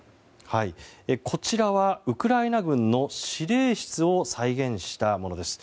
こちらはウクライナ軍の指令室を再現したものです。